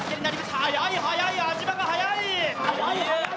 速い、速い、安嶋が速い。